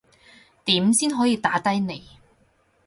點先可以打低你